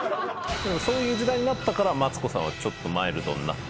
でもそういう時代になったからマツコさんはちょっとマイルドになった。